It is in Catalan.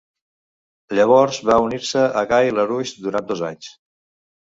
Llavors va unir-se a Guy Laroche durant dos anys.